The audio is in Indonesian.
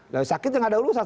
dari sakit yang ada urusan